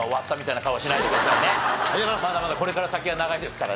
まだまだこれから先は長いですからね。